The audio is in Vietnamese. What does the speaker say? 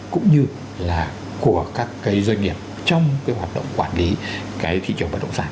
cũng như là của các cái doanh nghiệp trong cái hoạt động quản lý cái thị trường bất động sản